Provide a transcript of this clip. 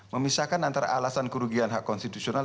memisahkan antara alasan kerugian hak konstitusional